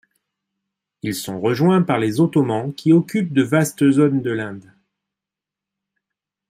Ils sont rejoints par les Ottomans qui occupent de vastes zones de l’Inde.